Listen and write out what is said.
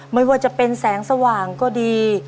ไม่ว่าจะเป็นแสงสว่างก็ดี